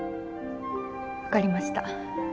わかりました。